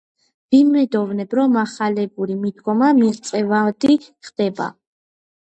ვიმედოვნებ, რომ ახლებური მიდგომა მიღწევადი ხდება.